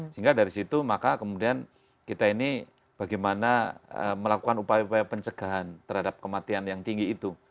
sehingga dari situ maka kemudian kita ini bagaimana melakukan upaya upaya pencegahan terhadap kematian yang tinggi itu